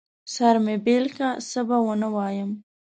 سر مې بېل که، څه به ونه وايم.